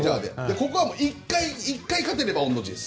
ここは１回勝てれば御の字です。